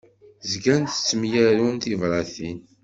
Zgan ttemyarun tibratin.